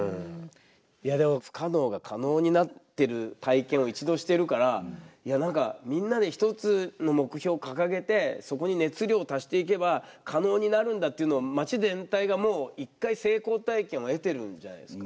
いやでも不可能が可能になってる体験を一度してるからいや何かみんなで一つの目標を掲げてそこに熱量を足していけば可能になるんだというのを町全体がもう一回成功体験を得てるんじゃないですか。